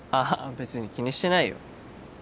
別に気にしてないよ